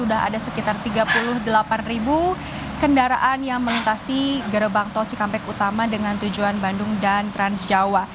ada sekitar tiga puluh delapan kendaraan yang melintasi gerbang tol cikampek utama dengan tujuan bandung dan transjawa